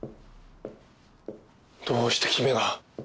どうして君が。